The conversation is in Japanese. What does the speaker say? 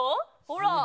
ほら。